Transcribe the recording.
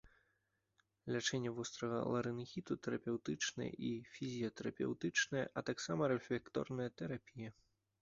Лячэнне вострага ларынгіту тэрапеўтычнае і фізіятэрапеўтычнае, а таксама рэфлекторная тэрапія.